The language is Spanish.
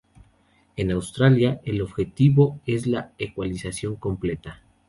En Australia, el objetivo es la ecualización completa.